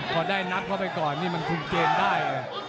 พอได้นับเข้าไปก่อนนี่มันคุมเกมได้